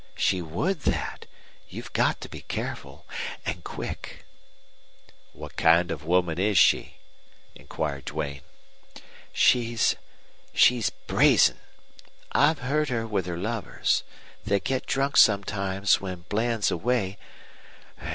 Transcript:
"She would that. You've got to be careful and quick." "What kind of woman is she?" inquired Duane. "She's she's brazen. I've heard her with her lovers. They get drunk sometimes when Bland's away.